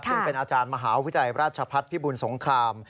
ซึ่งเป็นอาจารย์มหาวิทยาลัยราชพัฒน์พิบุญสงคราม